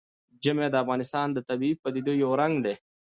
ژمی د افغانستان د طبیعي پدیدو یو رنګ دی.